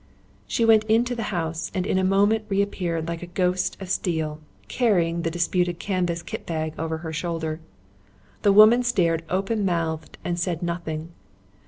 She went into the house and in a moment reappeared like a ghost of steel, carrying the disputed canvas kit bag over her shoulder. The woman stared open mouthed and said nothing.